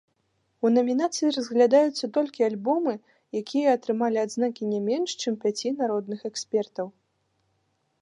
У намінацыі разглядаюцца толькі альбомы, якія атрымалі адзнакі не менш, чым пяці народных экспертаў.